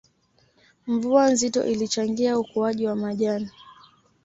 Mvua nzito ilichangia ukuaji wa majani